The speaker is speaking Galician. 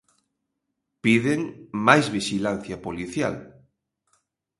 Piden máis vixilancia policial.